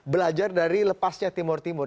belajar dari lepasnya timur timur